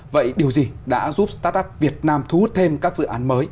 vậy điều gì đã giúp startup việt nam thu hút thêm các dự án mới